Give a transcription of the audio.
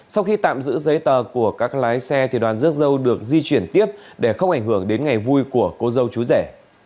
sau khi tạm giữ giấy tờ của các lái xe đoàn rước dâu được di chuyển tiếp để không ảnh hưởng đến ngày vui của cô dâu chú rẻ